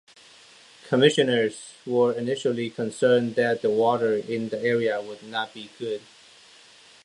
Commissioners were initially concerned that the water in the area would not be good.